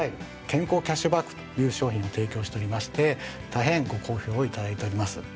健康キャッシュバック」という商品を提供しておりまして大変ご好評をいただいております。